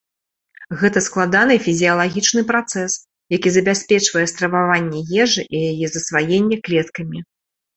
Гэта складаны фізіялагічны працэс, які забяспечвае страваванне ежы і яе засваенне клеткамі.